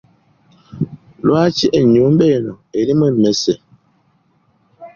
Lwaki ennyuba eno erimu emmese?